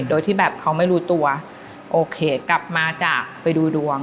โดยที่แบบเขาไม่รู้ตัวโอเคกลับมาจ้ะไปดูดวง